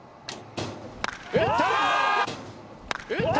打った！